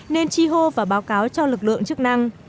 nên chi hô và báo cáo cho lực lượng chức năng